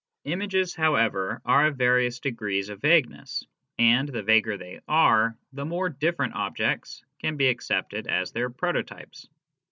Images, however, are of various degrees of vague ness, and the vaguer they are the more different objects can be accepted as their prototypes.